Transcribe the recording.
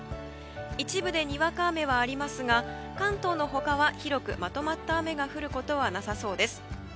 一部で、にわか雨はありますが関東の他は広くまとまった雨が降ることはなさそうです。